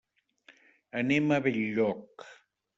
Anem a Benlloc.